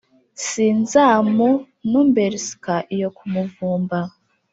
sinzamanumberska iyo ku muvumba